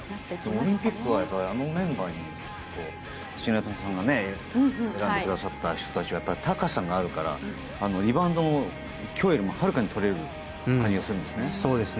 オリンピックはあのメンバーに篠山さんが選んでくださった人たちは高さがあるからリバウンドも今日よりもはるかにとれる感じがするよね。